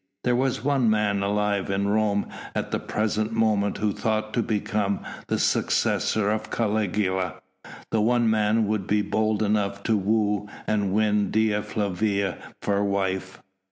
There was one man alive in Rome at the present moment who thought to become the successor of Caligula; that one man would be bold enough to woo and win Dea Flavia for wife.